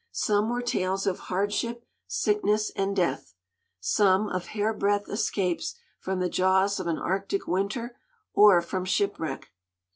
Some were tales of hardship, sickness and death; some of hair breadth escapes from the jaws of an Arctic winter, or from shipwreck.